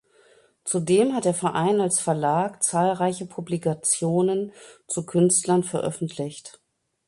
Zudem hat der Verein als Verlag zahlreiche Publikationen zu Künstlern veröffentlicht.